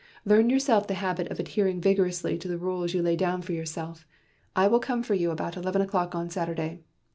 "Learn yourself the habit of adhering vigorously to the rules you lay down for yourself. I will come for you about eleven o'clock on Saturday.